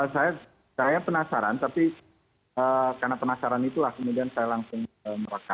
saya penasaran tapi karena penasaran itulah kemudian saya langsung merekam